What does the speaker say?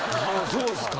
そうですか。